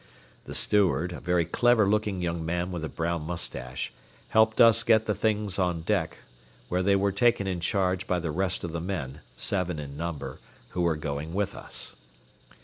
The steward, a very clever looking young man with a brown mustache, helped us get the things on deck, where they were taken in charge by the rest of the men, seven in number, who were going with us.